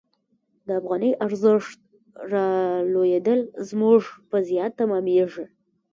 د افغانۍ ارزښت رالوېدل زموږ په زیان تمامیږي.